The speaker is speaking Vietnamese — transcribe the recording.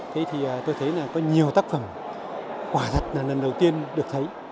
thế thì tôi thấy là có nhiều tác phẩm quả thật là lần đầu tiên được thấy